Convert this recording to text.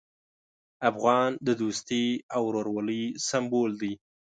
افغان د دوستي او ورورولۍ سمبول دی.